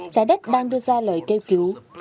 trái đất đang đưa ra lời kêu cứu